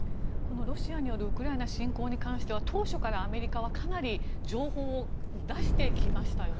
ロシアによるウクライナ侵攻に関しては当初からアメリカはかなり情報を出してきましたよね。